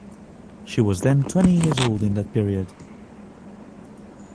She was then twenty years old in that period.